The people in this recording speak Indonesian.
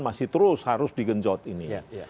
masih terus harus digenjot ini ya